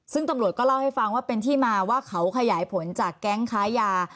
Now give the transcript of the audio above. ซึ่งตำรวจก็เล่าให้ฟังว่าเป็นที่มาว่าเขาขยายผลจากแก๊งค้ายา